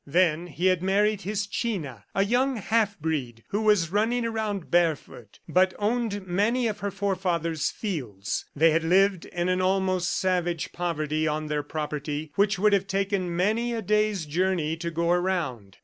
Then he had married his China, a young half breed who was running around barefoot, but owned many of her forefathers' fields. They had lived in an almost savage poverty on their property which would have taken many a day's journey to go around.